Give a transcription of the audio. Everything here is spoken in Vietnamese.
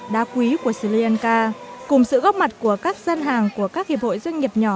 đá quý của sri lanka cùng sự góp mặt của các gian hàng của các hiệp hội doanh nghiệp nhỏ